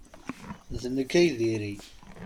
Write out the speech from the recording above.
D nekk ay diri!